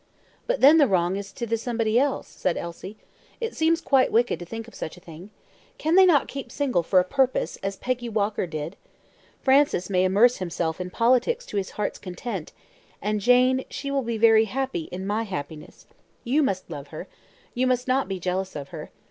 "But then the wrong is to the somebody else," said Elsie. "It seems quite wicked to think of such a thing. Can they not keep single for a purpose, as Peggy Walker did? Francis may immerse himself in politics to his heart's content; and Jane, she will be very happy in my happiness. You must love her; you must not be jealous of her.